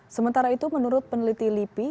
sementara itu menurut peneliti lipi